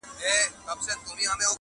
زوی له ډېره کیبره و ویله پلار ته,